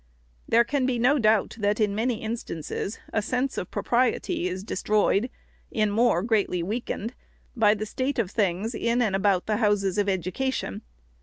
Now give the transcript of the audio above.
There can be no doubt that, in many instances, a sense of pro priety is destroyed, in more, greatly weakened, by the VOL. I. 31 482 EEPORT OP THE SECRETARY state of things in and about the houses of education.